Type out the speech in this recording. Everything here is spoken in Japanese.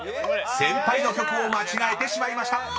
［先輩の曲を間違えてしまいました］